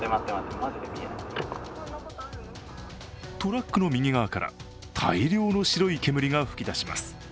トラックの右側から大量の白い煙が吹き出します。